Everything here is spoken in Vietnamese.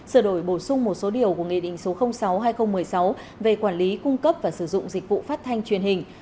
sửa đổi bổ sung một số điều của nghị định số sáu hai nghìn một mươi sáu về quản lý cung cấp và sử dụng dịch vụ phát thanh truyền hình